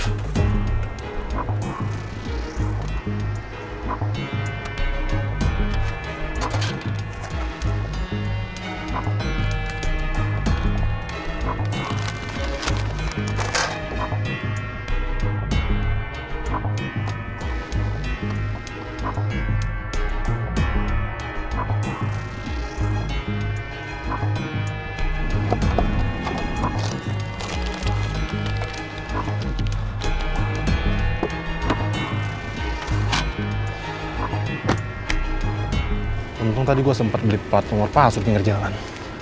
untung tadi gua sempet beli platform warpa asur di ngerjalan